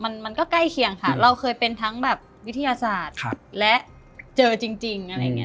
มันมันก็ใกล้เคียงค่ะเราเคยเป็นทั้งแบบวิทยาศาสตร์และเจอจริงอะไรอย่างเงี้